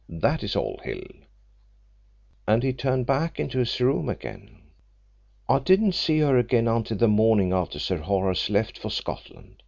That is all, Hill,' And he turned back into his room again. "I didn't see her again until the morning after Sir Horace left for Scotland.